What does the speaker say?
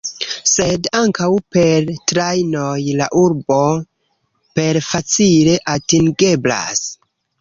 Sed ankaŭ per trajnoj la urbo per facile atingeblas.